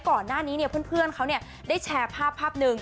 ก่อนหน้านี้เนี่ยเพื่อนเขาเนี่ยได้แชร์ภาพหนึ่ง